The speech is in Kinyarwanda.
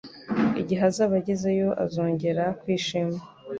Igihe azaba agezeyo, azongera kwishima.